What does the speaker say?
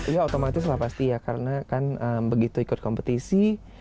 ya otomatis lah pasti ya karena kan begitu ikut kompetisi